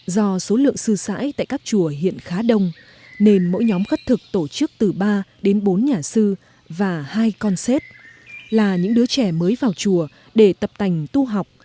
do số lượng sư sãi tại các chùa hiện khá đông nên mỗi nhóm khất thực tổ chức từ ba đến bốn nhà sư và hai con xếp là những đứa trẻ mới vào chùa để tập tành tu học